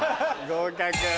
合格。